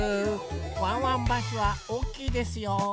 ワンワンバスはおおきいですよ。